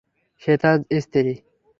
সে তার স্ত্রী।